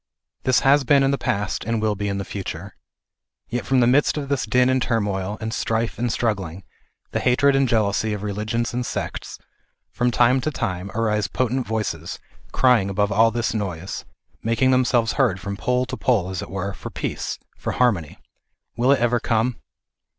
This has been in the past, and will be in the future. Yet from the midst of this din and turmoil, and strife, and struggling, the hatred and jealousy of religions and sects, from time to time, arise potent voices, crying above all this noise, making them selves heard from pole to pole, as it were, for peace, for harmony. Will it ever come